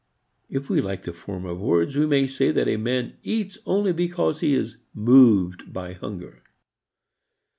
If we like the form of words we may say that a man eats only because he is "moved" by hunger.